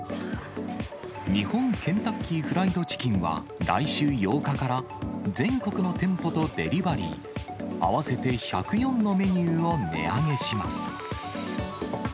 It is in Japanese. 日本ケンタッキー・フライド・チキンは来週８日から全国の店舗とデリバリー合わせて１０４のメニューを値上げします。